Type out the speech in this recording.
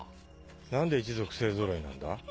何で一族勢ぞろいなんだ？